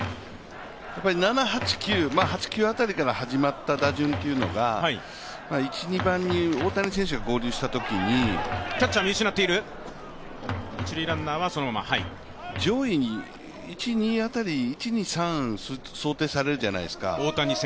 ７、８、９辺りから始まった打順というのが１、２番に、大谷選手が合流したときに、上位、１、２、３想定されるじゃないですか。